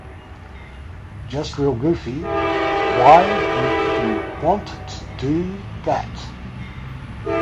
Just real goofy, 'why-would-you-want-to-do-that?